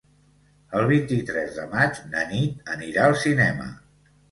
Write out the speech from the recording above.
El vint-i-tres de maig na Nit anirà al cinema.